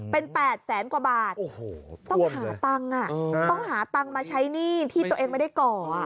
เป็น๘แสนกว่าบาทต้องหาตังค์มาใช้หนี้ที่ตัวเองไม่ได้ก่อ